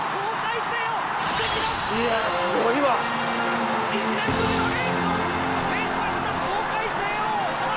いやすごいわ。